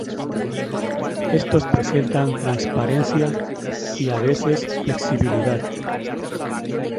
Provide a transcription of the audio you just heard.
Estos presentan transparencia y, a veces, flexibilidad.